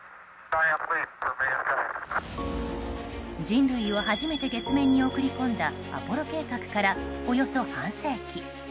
人類を初めて月面に送り込んだアポロ計画から、およそ半世紀。